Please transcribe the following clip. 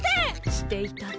していたぞ。